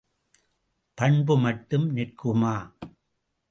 பண்பு மட்டும் நிற்குமா?